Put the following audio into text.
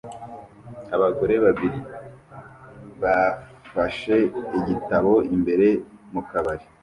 Abagore babiri bafashe igitebo imbere mu kabari